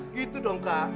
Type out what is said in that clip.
gitu dong kak